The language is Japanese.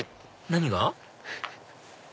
何が？